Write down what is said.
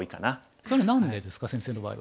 それは何でですか先生の場合は。